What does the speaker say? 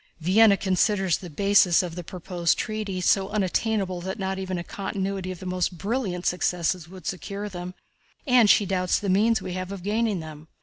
"Vienna considers the bases of the proposed treaty so unattainable that not even a continuity of most brilliant successes would secure them, and she doubts the means we have of gaining them.